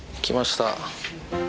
来ました。